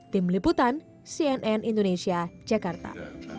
tim liputan cnn indonesia jakarta